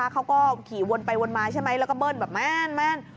เขาก็ขี่วนไปวนมาใช่ไหมแล้วก็เบิ้ลแบบแม่น